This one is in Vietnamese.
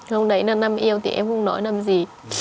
xong đấy là năm em yêu thì em cũng nói năm gì